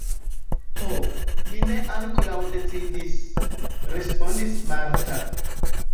Ho, mi ankoraŭ ne decidis – respondis Marta.